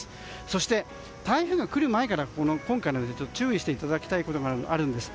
そして、台風が来る前から今回注意していただきたいことがあります。